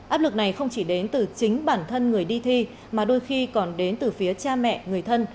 áp lực này không chỉ đến từ chính bản thân người đi thi mà đôi khi còn đến từ phía cha mẹ người thân